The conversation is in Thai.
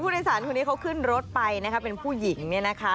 เพราะว่าเสียงเพลงขึ้นไปเป็นผู้หญิงนะคะ